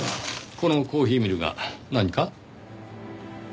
このコーヒーミルが何か？